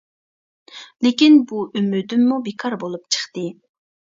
لېكىن بۇ ئۈمىدىممۇ بىكار بولۇپ چىقتى.